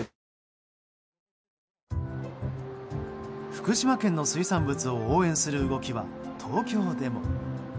福島産の水産物を応援する動きは東京でも。